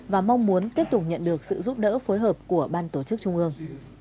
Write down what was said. và mong muốn tiếp tục nhận được sự giúp đỡ phối hợp của ban tổ chức trung ương